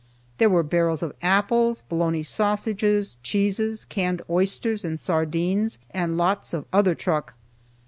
There were barrels of apples, bologna sausages, cheeses, canned oysters and sardines, and lots of other truck.